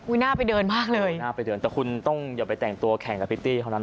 น่าไปเดินมากเลยน่าไปเดินแต่คุณต้องอย่าไปแต่งตัวแข่งกับพิตตี้เขานะ